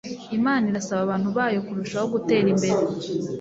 Imana irasaba abantu bayo kurushaho gutera imbere